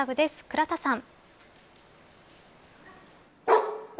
倉田さん。